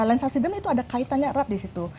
lens subsidence itu ada kaitannya erat di situ